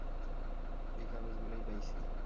এই কাগজগুলোই পাইছি।